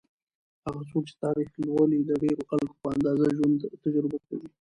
هغه څوک چې تاریخ لولي، د ډېرو خلکو په اندازه ژوند تجربه کوي.